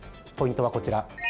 ポイントはこちら。